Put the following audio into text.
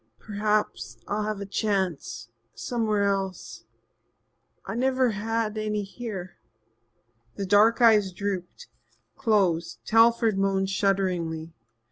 Perhaps I'll have a chance somewhere else. I've never had any here." The dark eyes drooped closed. Telford moaned shudderingly.